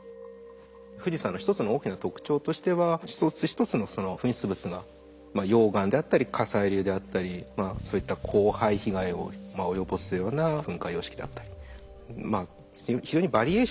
富士山の一つの大きな特徴としては一つ一つのその噴出物が溶岩であったり火砕流であったりそういった降灰被害を及ぼすような噴火様式だったり。